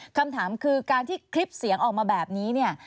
คำถามคือการที่คลิปเสียงออกมาแบบนี้เนี่ย